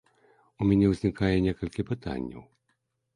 У мяне ўзнікае некалькі пытанняў.